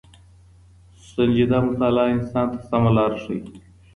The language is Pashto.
سنجيده مطالعه انسان ته سمه لاره ښيي.